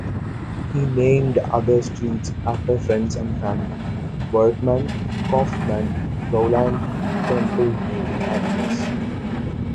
He named other streets after friends and family: Workman, Kauffman, Rowland, Temple and Agnes.